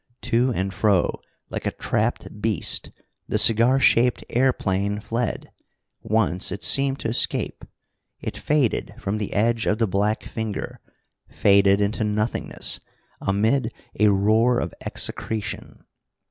To and fro, like a trapped beast, the cigar shaped airplane fled. Once it seemed to escape. It faded from the edge of the black finger faded into nothingness amid a roar of execretion.